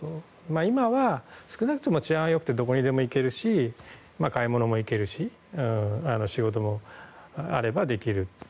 今は、少なくとも治安は良くてどこにでも行けるし買い物にも行けるし仕事もあればできると。